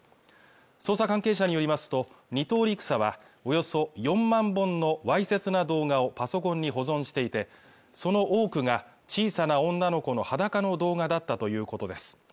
捜査関係者によりますと２等陸佐はおよそ４万本のわいせつな動画をパソコンに保存していてその多くが小さな女の子の裸の動画だったということです